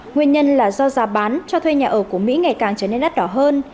nguyên nhân là do giá bán cho thuê nhà ở của mỹ ngày càng trở nên đắt đỏ hơn